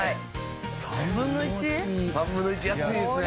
３分の１？３分の１安いですね。